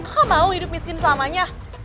kamu mau hidup miskin selamanya